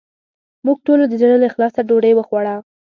موږ ټولو د زړه له اخلاصه ډوډې وخوړه